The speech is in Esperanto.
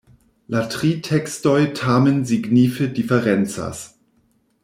La tri tekstoj tamen signife diferencas.